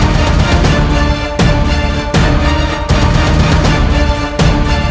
jangan lupa menerima ayah anda